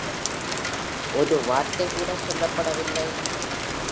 ஒரு வார்த்தை கூட சொல்லப்படவில்லை.